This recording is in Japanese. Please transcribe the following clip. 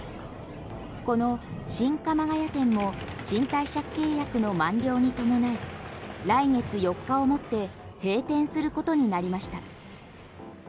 この新鎌ヶ谷店も賃貸借契約の満了に伴い来月４日をもって閉店することになりました。